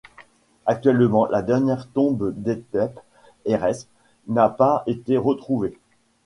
Actuellement la dernière tombe d'Hétep-Hérès n'a pas été retrouvée.